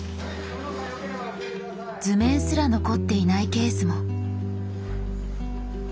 図面すら残っていないケースも。